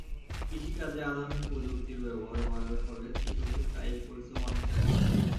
কৃষিকাজে আধুনিক প্রযুক্তির ব্যবহার বাড়ার ফলে কৃষকদের কায়িক পরিশ্রম অনেকটা কমেছে।